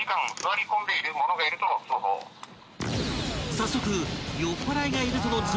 ［早速］